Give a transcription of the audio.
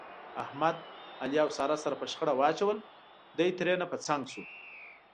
احمد، علي او ساره سره په شخړه واچول، دی ترېنه په څنګ شو.